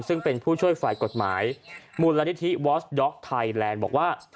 ซึ่งเป็นผู้ช่วยฝ่ายกฎหมายมูลนิธิวอสด็อกไทยแลนด์บอกว่า